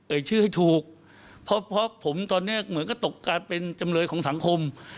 ชื่อให้ถูกเพราะเพราะผมตอนเนี้ยเหมือนก็ตกกลายเป็นจำเลยของสังคม